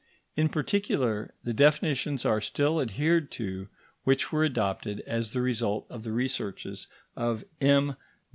In particular, the definitions are still adhered to which were adopted as the result of the researches of M.